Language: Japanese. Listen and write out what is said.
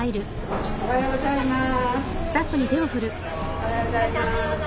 おはようございます。